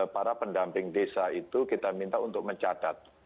para pendamping desa itu kita minta untuk mencatat